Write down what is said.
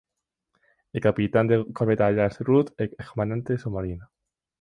El Capitán de corbeta Lars Ruth es comandante del submarino.